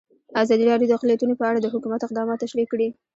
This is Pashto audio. ازادي راډیو د اقلیتونه په اړه د حکومت اقدامات تشریح کړي.